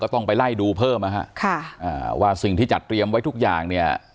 ต้องไปไล่ดูเพิ่มนะฮะค่ะอ่าว่าสิ่งที่จัดเตรียมไว้ทุกอย่างเนี่ย